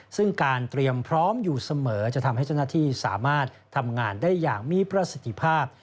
ซึ่งการเตรียมพร้อมอยู่เสมอจะทำให้เจ้าหน้าที่สามารถทำงานได้อย่างมีประสิทธิภาพ